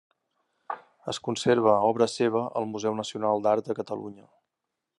Es conserva obra seva al Museu Nacional d'Art de Catalunya.